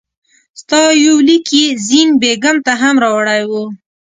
ستا یو لیک یې زین بېګم ته هم راوړی وو.